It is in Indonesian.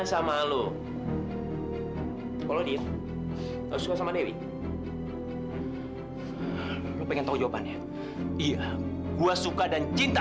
sampai jumpa di video selanjutnya